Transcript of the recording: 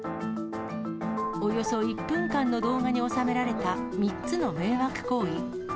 およそ１分間の動画に収められた、３つの迷惑行為。